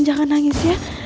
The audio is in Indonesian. jangan nangis ya